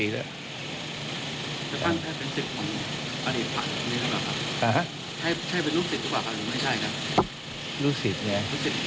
ลูกศิษย์ไง